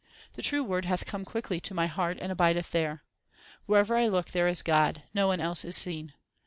The true Word hath come quickly to my heart and abideth there. Wherever I look there is God ; no one else is seen.